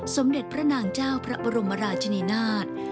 สมเด็จพระนางเจ้าพระบรมราชนีนาฏ